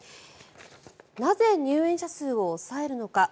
なぜ入園者数を抑えるのか。